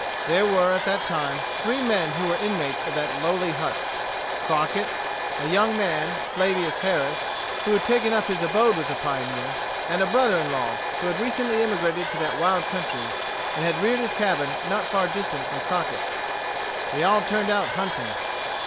There were at that time three men who were inmates of that lowly hut Crockett, a young man, Flavius Harris, who had taken up his abode with the pioneer, and a brother in law, who had recently emigrated to that wild country, and had reared his cabin not far distant from Crockett's. They all turned out hunting.